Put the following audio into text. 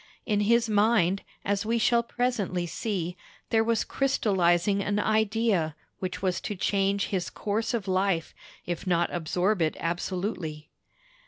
In his mind, as we shall presently see, there was crystallizing an idea which was to change his course of life, if not absorb it absolutely.